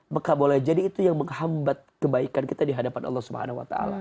maka boleh jadi itu yang menghambat kebaikan kita di hadapan allah swt